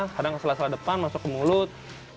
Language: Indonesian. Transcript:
kadang sela sela depan masuk ke mulut